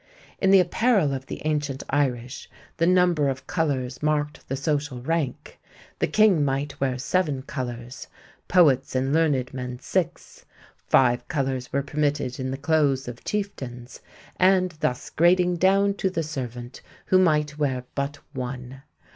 In the apparel of the ancient Irish, the number of colors marked the social rank: the king might wear seven colors, poets and learned men six; five colors were permitted in the clothes of chieftains, and thus grading down to the servant, who might wear but one.